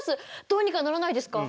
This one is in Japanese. どうにかならないですか？